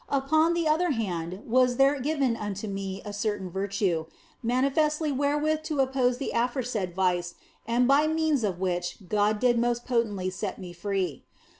Upon the other hand was there given unto me a certain virtue, OF FOLIGNO 17 manifestly wherewith to oppose the aforesaid vice and by means of which God did most potently set me free.